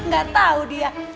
gak tau dia